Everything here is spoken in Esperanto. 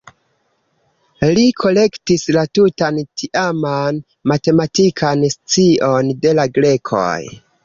Li kolektis la tutan tiaman matematikan scion de la grekoj.